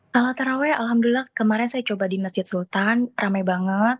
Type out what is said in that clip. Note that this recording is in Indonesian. kalau taraweh alhamdulillah kemarin saya coba di masjid sultan ramai banget